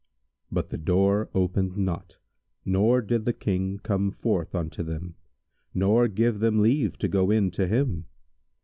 But the door opened not nor did the King come forth unto them nor give them leave to go in to him.